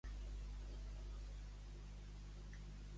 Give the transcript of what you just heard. Estar bé ce.